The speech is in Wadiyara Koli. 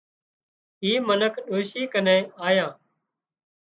اي منک ڏوشي ڪنين آيان